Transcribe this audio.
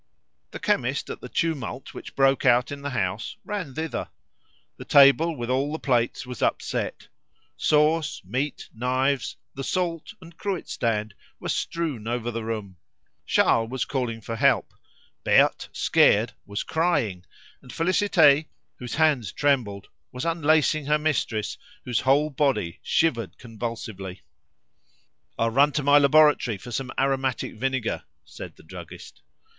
The chemist, at the tumult which broke out in the house ran thither. The table with all the plates was upset; sauce, meat, knives, the salt, and cruet stand were strewn over the room; Charles was calling for help; Berthe, scared, was crying; and Félicité, whose hands trembled, was unlacing her mistress, whose whole body shivered convulsively. "I'll run to my laboratory for some aromatic vinegar," said the druggist.